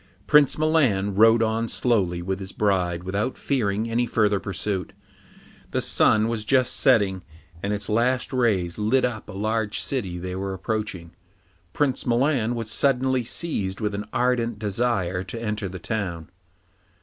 Prince Milan rode on slowly with his bride without fearing any further pursuit. The sun was just setting, and its last rays lit up a large city they were approaching. Prince Milan was suddenly seized with an ardent desire to enter the town.